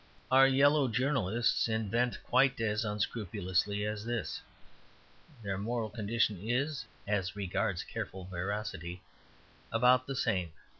Our yellow journalists invent quite as unscrupulously as this; their moral condition is, as regards careful veracity, about the same.